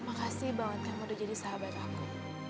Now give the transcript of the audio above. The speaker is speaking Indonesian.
makasih banget kamu udah jadi sahabat aku